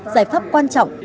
giải pháp quan trọng